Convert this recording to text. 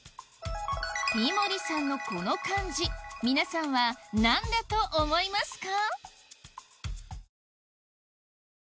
井森さんのこの漢字皆さんは何だと思いますか？